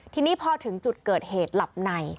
ทีนี้พอถึงจุดเกิดเหตุหลับใน